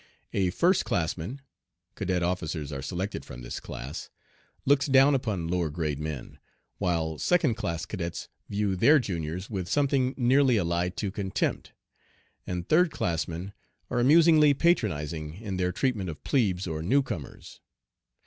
A first classman cadet officers are selected from this class looks down upon lower grade men, while second class cadets view their juniors with something nearly allied to contempt, and third class men are amusingly patronizing in their treatment of 'plebes' or new comers.